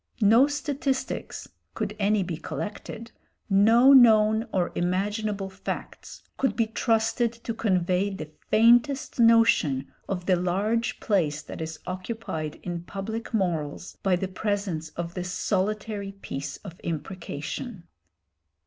No statistics, could any be collected, no known or imaginable facts, could be trusted to convey the faintest notion of the large place that is occupied in public morals by the presence of this solitary piece of imprecation.